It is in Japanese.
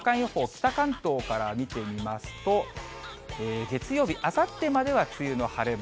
北関東から見てみますと、月曜日、あさってまでは梅雨の晴れ間。